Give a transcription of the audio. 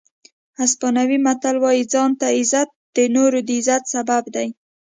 اسپانوي متل وایي ځان ته عزت د نورو د عزت سبب دی.